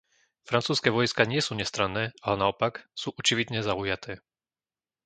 Francúzske vojská nie sú nestranné, ale naopak, sú očividne zaujaté.